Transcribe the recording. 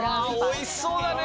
おいしそうだね。